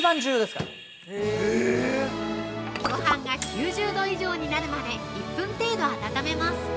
◆ごはんが９０度以上になるまで１分程度温めます！